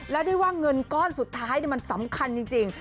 และได้ว่าเงินก้อนสุดท้ายมันสำคัญจริง